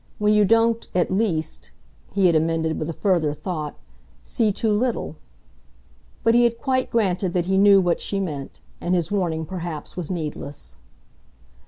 When you don't, at least," he had amended with a further thought, "see too little." But he had quite granted that he knew what she meant, and his warning perhaps was needless.